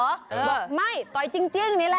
บอกไม่ต่อยจริงนี่แหละ